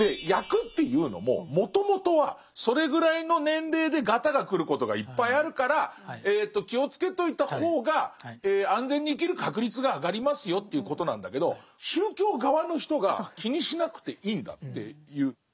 厄っていうのももともとはそれぐらいの年齢でガタがくることがいっぱいあるから気をつけといた方が安全に生きる確率が上がりますよっていうことなんだけど宗教側の人が気にしなくていいんだって言う。